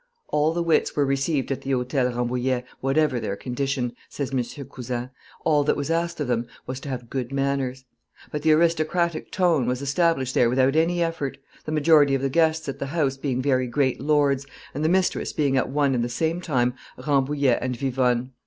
"All the wits were received at the Hotel Rambouillet, whatever their condition," says M. Cousin: "all that was asked of them was to have good manners; but the aristocratic tone was established there without any effort, the majority of the guests at the house being very great lords, and the mistress being at one and the same time Rambouillet and Vivonne.